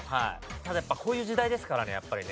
ただこういう時代ですからねやっぱりね。